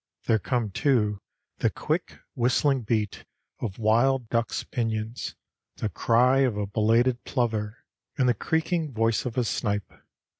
There come, too, the quick whistling beat of wild ducks' pinions, the cry of a belated plover, and the creaking voice of a snipe.